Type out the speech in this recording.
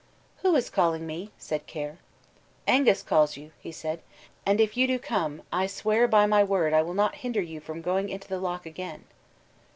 "'Who is calling me?' said Caer. "'Angus calls you,' he said, 'and if you do come, I swear by my word I will not hinder you from going into the loch again.'"